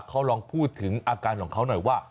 เขาลองพูดถึงอาการของเขาหน่อยว่า